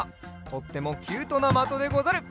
とってもキュートなまとでござる。